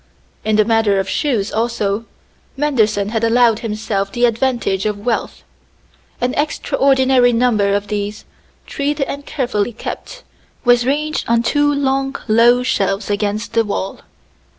In the matter of shoes, also, Manderson had allowed himself the advantage of wealth. An extraordinary number of these, treed and carefully kept, was ranged on two long low shelves against the wall.